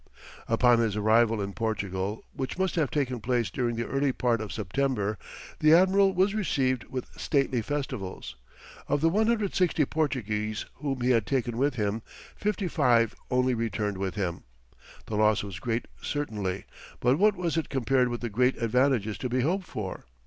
Upon his arrival in Portugal, which must have taken place during the early part of September, the admiral was received with stately festivals. Of the 160 Portuguese whom he had taken with him, fifty five only returned with him. The loss was great certainly, but what was it compared with the great advantages to be hoped for?